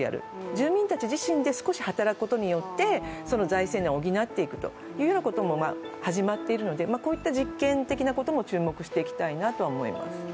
住民たち自身で少し働くことによって財政難を補っていくということも始まっているので、こういった実験的なことも注目していきたいなとは思います。